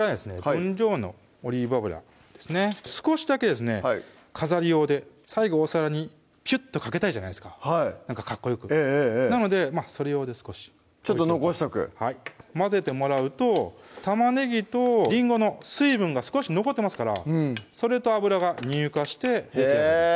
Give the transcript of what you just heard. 分量のオリーブ油ですね少しだけですね飾り用で最後お皿にピュッとかけたいじゃないですかなんかかっこよくええええええなのでそれ用で少しちょっと残しとく混ぜてもらうと玉ねぎとりんごの水分が少し残ってますからそれと油が乳化してへぇ